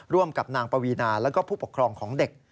ร่วมกับนางปวีนาแล้วก็ผู้ปกครองของเด็ก